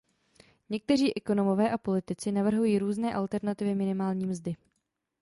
Někteří ekonomové a politici navrhují různé alternativy minimální mzdy.